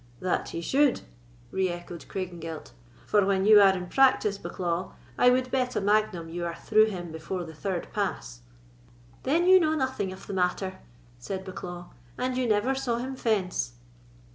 "That he should," re echoed Craigengelt; "for when you are in practice, Bucklaw, I would bet a magnum you are through him before the third pass." "Then you know nothing of the matter," said Bucklaw, "and you never saw him fence."